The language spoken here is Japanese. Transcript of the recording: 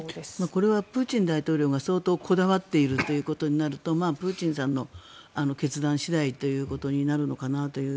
これはプーチン大統領が相当こだわっているということになるとプーチンさんの決断次第ということになるのかなという。